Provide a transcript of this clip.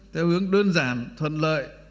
theo hướng đơn giản thuận lợi